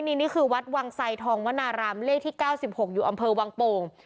นี่คือวัดวังไสทองวนารามเลขที่๙๖อยู่อำเภอวังโป่ง